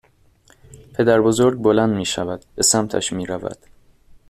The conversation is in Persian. پدربزرگ بلند میشود. به سمتش میرود